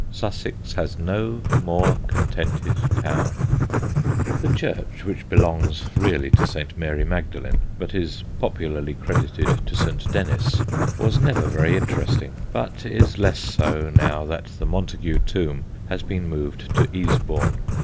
Sussex has no more contented town. The church, which belongs really to St. Mary Magdalen, but is popularly credited to St. Denis, was never very interesting, but is less so now that the Montagu tomb has been moved to Easebourne.